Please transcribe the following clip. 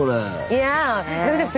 いや。